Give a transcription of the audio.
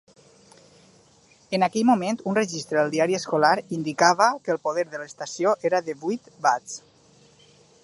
En aquell moment, un registre del diari escolar indicava que el poder de l'estació era de vuit watts.